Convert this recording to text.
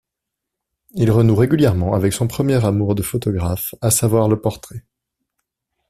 Il renoue régulièrement avec son premier amour de photographe, à savoir le portrait.